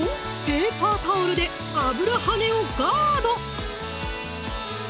ペーパータオルで油跳ねをガード